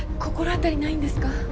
心当たりないんですか？